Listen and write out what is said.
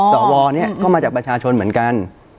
สวนี้ก็มาจากประชาชนเหมือนกัน